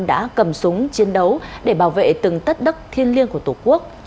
đã cầm súng chiến đấu để bảo vệ từng tất đất thiên liêng của tổ quốc